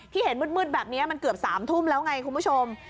เห็นมืดแบบนี้มันเกือบ๓ทุ่มแล้วไงคุณผู้ชม